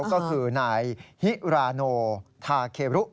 ก็คือนายฮิราโนทาเครุ